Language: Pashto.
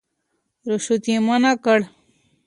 رشوت يې منع کړ.